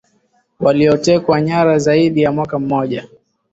waliotekwa nyara zaidi ya mwaka mmoja